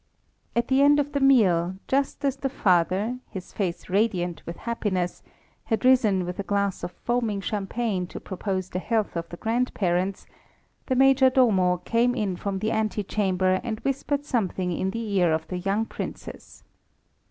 At the end of the meal, just as the father, his face radiant with happiness, had risen with a glass of foaming champagne to propose the health of the grandparents, the Major Domo came in from the ante chamber and whispered something in the ear of the young Princess.